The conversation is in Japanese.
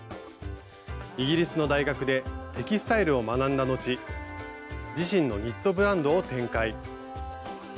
イギリスの大学でテキスタイルを学んだのち自身のニットブランドを展開。